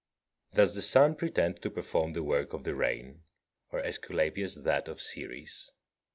43. Does the sun pretend to perform the work of the rain, or Aesculapius that of Ceres?